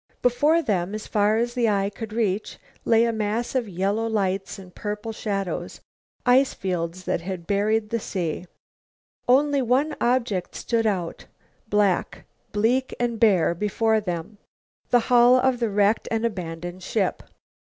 Before them, as far as the eye could reach, lay a mass of yellow lights and purple shadows, ice fields that had buried the sea. Only one object stood out, black, bleak and bare before them the hull of the wrecked and abandoned ship.